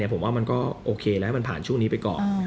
ผมว่ามันก็โอเคแล้วให้มันผ่านช่วงนี้ไปก่อน